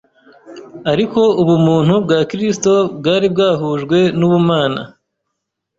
Ariko ubumuntu bwa Kristo bwari bwahujwe n’ubumana,